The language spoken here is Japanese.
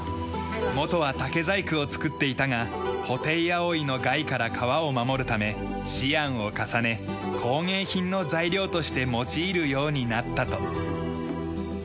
元は竹細工を作っていたがホテイアオイの害から川を守るため思案を重ね工芸品の材料として用いるようになったと。